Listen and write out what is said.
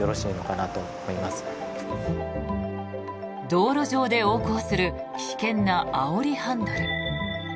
道路上で横行する危険なあおりハンドル。